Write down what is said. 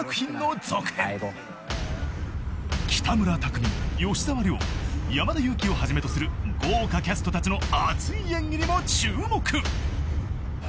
［北村匠海吉沢亮山田裕貴をはじめとする豪華キャストたちの熱い演技にも注目］